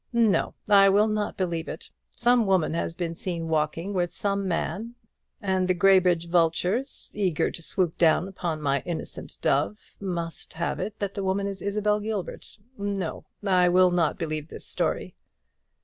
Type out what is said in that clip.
"No; I will not believe it. Some woman has been seen walking with some man; and the Graybridge vultures, eager to swoop down upon my poor innocent dove, must have it that the woman is Isabel Gilbert. No; I will not believe this story."